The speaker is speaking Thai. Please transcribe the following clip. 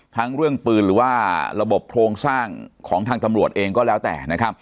ทั้งเรื่องปืนหรือว่าระบบโครงสร้างของทางตำรวจเองก็แล้วแต่นะครับ